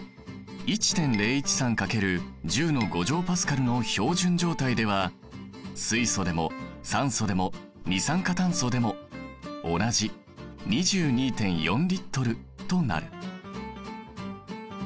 １．０１３×１０Ｐａの標準状態では水素でも酸素でも二酸化炭素でも同じ２２．４Ｌとなる。